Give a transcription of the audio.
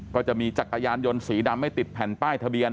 ก็จะมีจักรยานยนต์สีดำไม่ติดแผ่นป้ายทะเบียน